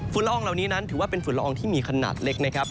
ละอองเหล่านี้นั้นถือว่าเป็นฝุ่นละอองที่มีขนาดเล็กนะครับ